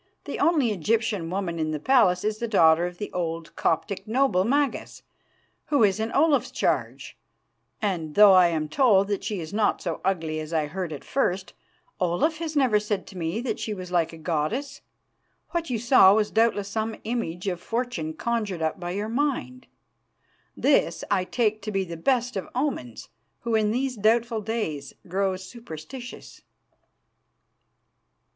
The only Egyptian woman in the palace is the daughter of the old Coptic noble, Magas, who is in Olaf's charge, and though I am told that she is not so ugly as I heard at first, Olaf has never said to me that she was like a goddess. What you saw was doubtless some image of Fortune conjured up by your mind. This I take to be the best of omens, who in these doubtful days grow superstitious.